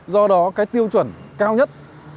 do đó cái tiêu chuẩn cao nhất